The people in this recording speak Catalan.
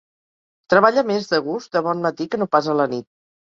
Treballa més de gust de bon matí que no pas a la nit.